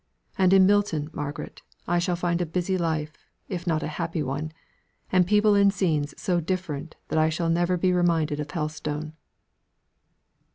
And in Milton, Margaret, I shall find a busy life, if not a happy one, and people and scenes so different that I shall never be reminded of Helstone."